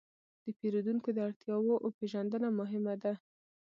د پیرودونکو د اړتیاوو پېژندنه مهمه ده.